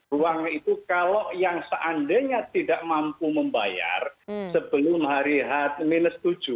ruang itu kalau yang seandainya tidak mampu membayar sebelum hari h tujuh